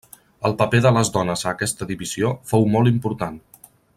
El paper de les dones a aquesta divisió fou molt important.